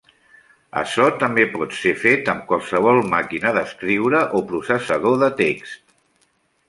Açò també pot ser fet amb qualsevol màquina d'escriure o processador de text.